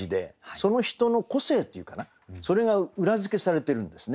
その人の個性っていうかなそれが裏付けされてるんですね。